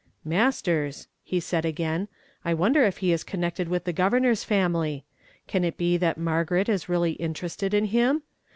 "Mas ters," he said again, " I wonder if he is connected with the governor's family? Can it be that Margaret is really interested in him?